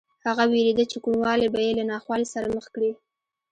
هغه وېرېده چې کوڼوالی به یې له ناخوالې سره مخ کړي